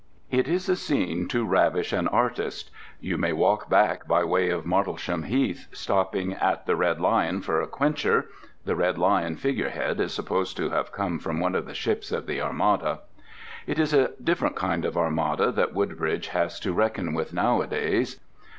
It is a scene to ravish an artist. You may walk back by way of Martlesham Heath, stopping at the Red Lion for a quencher (the Red Lion figurehead is supposed to have come from one of the ships of the Armada). It is a different kind of Armada that Woodbridge has to reckon with nowadays.